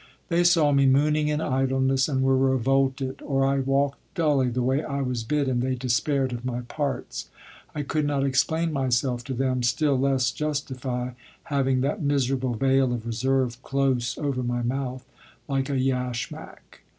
They saw me mooning in idleness and were revolted; or I walked dully the way I was bid and they despaired of my parts. I could not explain myself to them, still less justify, having that miserable veil of reserve close over my mouth, like a yashmak.